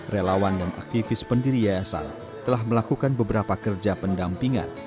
relawan dan aktivis pendiri yayasan telah melakukan beberapa kerja pendampingan